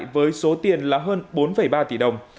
với số tiền là hơn bốn ba tỷ đồng